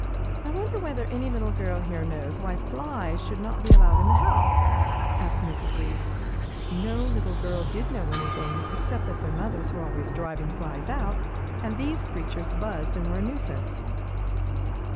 "I wonder whether any little girl here knows why flies should not be allowed in the house?" asked Mrs. Reece. No little girl did know anything except that their mothers were always driving flies out, and that these creatures buzzed and were a nuisance.